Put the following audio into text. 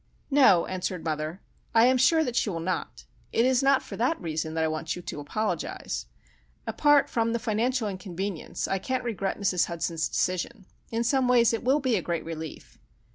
"No," answered mother. "I am sure that she will not. It is not for that reason that I want you to apologise. Apart from the financial inconvenience I can't regret Mrs. Hudson's decision. In some ways it will be a great relief."